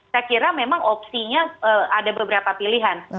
saya kira memang opsinya ada beberapa pilihan